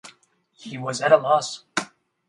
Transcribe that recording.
He was at a loss.